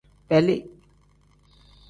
Beli.